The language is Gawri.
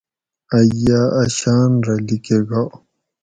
ائ یاۤ اۤ شان رہ لیکہ گا